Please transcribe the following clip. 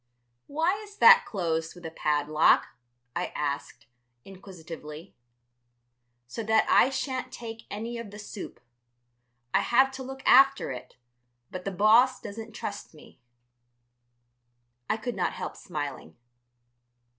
"Why is that closed with a padlock?" I asked, inquisitively. "So that I shan't take any of the soup. I have to look after it, but the boss doesn't trust me." I could not help smiling.